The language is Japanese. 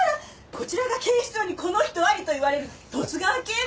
こちらが「警視庁にこの人あり」と言われる十津川警部さん？